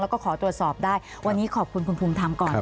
แล้วก็ขอตรวจสอบได้วันนี้ขอบคุณคุณภูมิธรรมก่อน